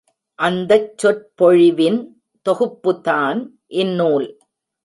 அந்தச் சொற்பொழிவின் தொகுப்புதான் இந்நூல்.